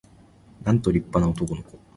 なんと立派な男の子